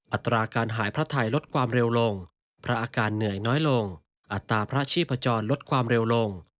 อัตราการหายพระไทยลดความเร็วลงพระอาการเหนื่อยน้อยลงอัตราพระชีพจรลดความเร็วลง